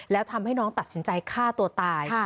แล้วทำให้น้องตัดสินใจฆ่าตัวตาย